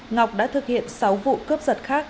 ngọc đã thực hiện sáu vụ cướp giật khác